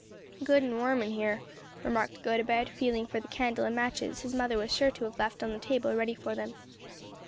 "Good and warm in here," remarked Gotobed, feeling for the candle and matches his mother was sure to have left on the table ready for them.